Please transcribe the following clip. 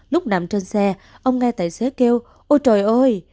lúc nằm trên xe ông nghe tài xế kêu ôi trời ơi